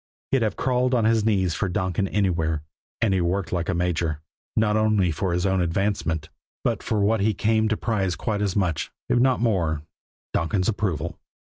He'd have crawled on his knees for Donkin anywhere, and he worked like a major not only for his own advancement, but for what he came to prize quite as much, if not more, Donkin's approval.